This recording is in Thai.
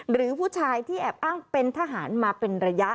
หรือผู้ชายที่แอบอ้างเป็นทหารมาเป็นระยะ